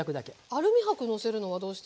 アルミ箔のせるのはどうしてですか？